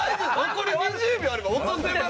残り２０秒あれば落とせます。